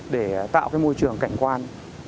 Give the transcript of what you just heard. để tạo cái môi trường cảnh quan